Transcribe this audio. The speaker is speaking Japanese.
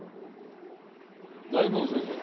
大門先生。